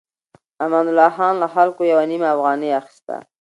امان الله خان له خلکو يوه نيمه افغانۍ اخيسته.